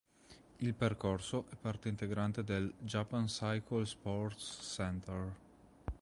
Il percorso è parte integrante del "Japan Cycle Sports Center".